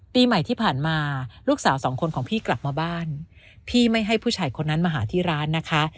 ปีใหม่ที่ผ่านมาลูกสาวสองคนของพี่กลับมาบ้านพี่ไม่ให้ผู้ชายคนนั้นมาหาที่ร้านนะคะ